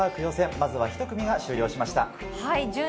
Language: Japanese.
まずは１組が終了しました。